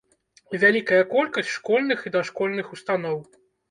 Вялікая колькасць школьных і дашкольных устаноў.